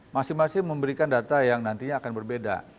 masing masing memberikan data yang nantinya akan berbeda